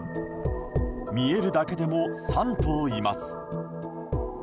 見えるだけでも３頭います。